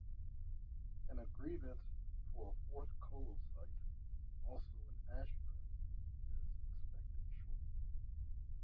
An agreement for a fourth colo site, also in Ashburn, is expected shortly.